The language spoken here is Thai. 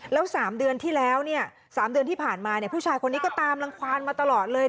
แล้ว๓เดือนที่แล้วเนี่ย๓เดือนที่ผ่านมาผู้ชายคนนี้ก็ตามรังความมาตลอดเลย